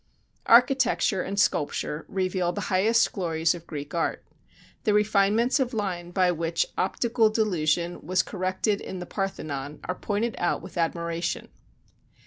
Architecture and sculpture reveal the highest glories of Greek art. The refinements of line by which optical delusion was corrected in the Parthenon are pointed out with admiration.